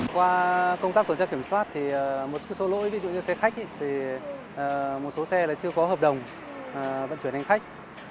qua công tác tuần tra kiểm soát thì một số lỗi ví dụ như xe khách thì một số xe là chưa có hợp đồng vận chuyển hành khách